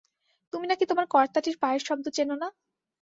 তুমি নাকি তোমার কর্তাটির পায়ের শব্দ চেন না?